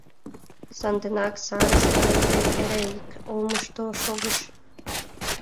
Санденак, сарыш кайыде, эре ик олмышто шогыш.